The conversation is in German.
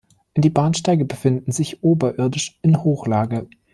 Die Bahnsteige befinden sich oberirdisch in Hochlage.